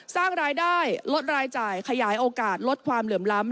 สร้างรายได้ลดรายจ่ายขยายโอกาสลดความเหลื่อมล้ำ